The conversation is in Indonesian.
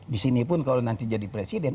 di sini pun kalau nanti jadi presiden